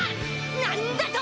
何だと！？